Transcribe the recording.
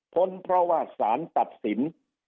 พ้นเพราะว่าสารตัดสิน